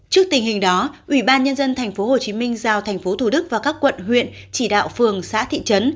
trước tình hình đó ủy ban nhân dân tp hcm giao thành phố thủ đức và các quận huyện chỉ đạo phường xã thị trấn